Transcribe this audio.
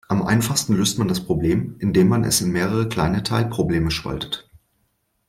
Am einfachsten löst man das Problem, indem man es in mehrere kleine Teilprobleme spaltet.